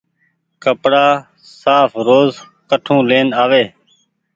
ڪپڙآ ساڦ روز ڪٺو لين آوي۔